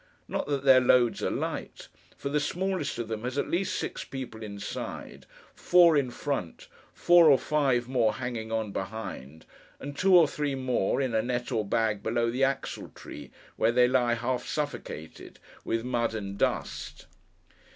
Not that their loads are light; for the smallest of them has at least six people inside, four in front, four or five more hanging on behind, and two or three more, in a net or bag below the axle tree, where they lie half suffocated with mud and dust.